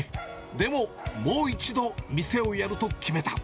でも、もう一度店をやると決めた。